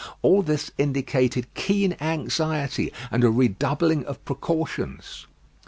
All this indicated keen anxiety, and a redoubling of precautions.